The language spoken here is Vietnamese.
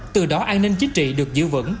từ đó an ninh chính trị được giữ vững